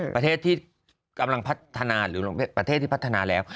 ประเทศที่กำลังพัฒนาหรือประเทศที่พัฒนาแล้ว